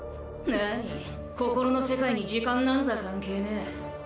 なに心の世界に時間なんざ関係ねえ。